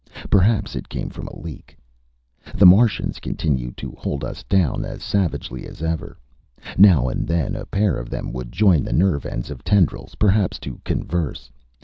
Perhaps it came from a leak. The Martians continued to hold us down as savagely as ever. Now and then a pair of them would join the nerve ends of tendrils, perhaps to converse.